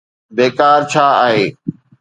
بيڪار ڇا آهي؟